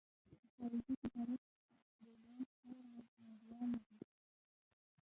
د خارجي تجارت بیلانس یې نا انډوله دی.